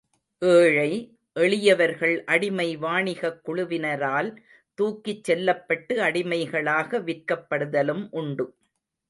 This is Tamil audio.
ஏழை எளியவர்கள் அடிமை வாணிகக் குழுவினரால் தூக்கிச்செல்லப்பட்டு, அடிமைகளாக விற்கப்படுதலும் உண்டு.